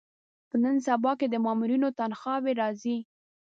په نن سبا کې د مامورینو تنخوا وې راځي.